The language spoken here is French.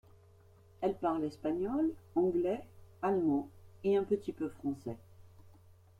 Elle parle espagnol, anglais, allemand et un petit peu français.